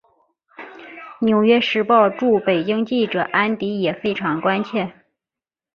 纽约时报驻北京记者安迪也非常关切。